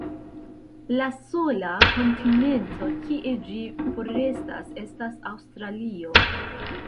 La sola kontinento kie ĝi forestas estas Aŭstralio.